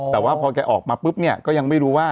แต่ว่าพอแกออกมาปุ๊บเนี่ยก็ยังไม่รู้ว่า